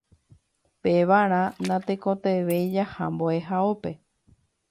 Pevarã natekotevẽi jaha mbo'ehaópe